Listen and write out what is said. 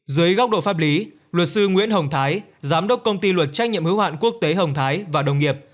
dưới góc độ pháp lý luật sư nguyễn hồng thái giám đốc công ty luật trách nhiệm hữu hạn quốc tế hồng thái và đồng nghiệp